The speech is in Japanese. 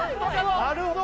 なるほど。